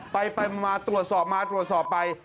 ไปมาตรวจสอบไป